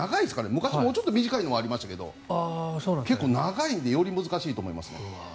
昔もうちょっと短いのはありましたけど結構、長いのでより難しいと思います。